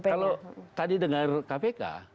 kalau tadi dengar kpk